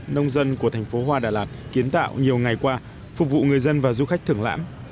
nông dân của thành phố hoa đà lạt kiến tạo nhiều ngày qua phục vụ người dân và du khách thưởng lãm